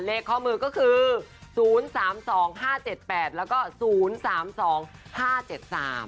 ข้อมือก็คือศูนย์สามสองห้าเจ็ดแปดแล้วก็ศูนย์สามสองห้าเจ็ดสาม